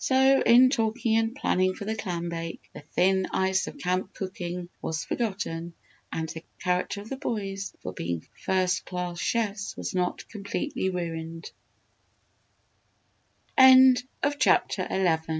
So, in talking and planning for the clam bake, the thin ice of camp cooking was forgotten and the character of the boys for being first class chefs was not complete